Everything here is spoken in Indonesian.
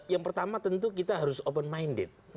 yang pertama tentu kita harus open minded